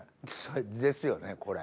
ですよねこれ。